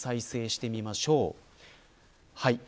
再生してみましょう。